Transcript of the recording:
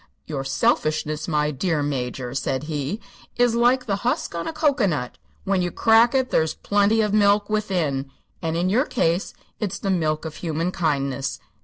"Your selfishness, my dear Major," said he, "is like the husk on a cocoanut. When you crack it there's plenty of milk within and in your case it's the milk of human kindness.